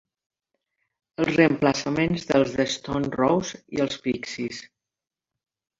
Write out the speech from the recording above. Els reemplaçaments dels The Stone Roses i els Pixies.